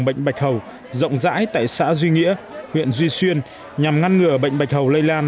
bệnh bạch hầu rộng rãi tại xã duy nghĩa huyện duy xuyên nhằm ngăn ngừa bệnh bạch hầu lây lan